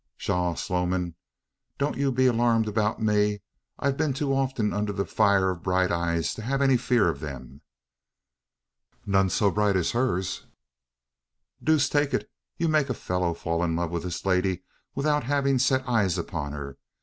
"Pshaw, Sloman! don't you be alarmed about me. I've been too often under the fire of bright eyes to have any fear of them." "None so bright as hers." "Deuce take it! you make a fellow fall in love with this lady without having set eyes upon her.